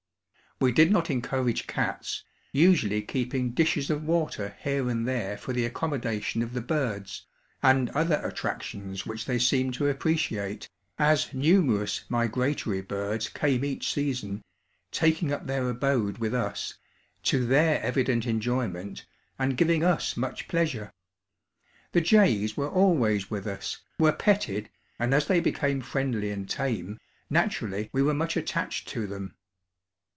We did not encourage cats, usually keeping dishes of water here and there for the accommodation of the birds, and other attractions which they seemed to appreciate, as numerous migratory birds came each season, taking up their abode with us, to their evident enjoyment and giving us much pleasure. The jays were always with us, were petted and as they became friendly and tame, naturally we were much attached to them.